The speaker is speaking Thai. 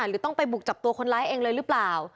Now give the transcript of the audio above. หรือต้องไปบุกจับตัวคนร้ายเองเลยหรือเปล่า